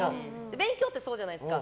勉強ってそうじゃないですか。